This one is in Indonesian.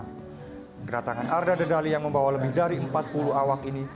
pada tahun dua ribu dua puluh geratangan arda dedali yang membawa lebih dari empat puluh awak ini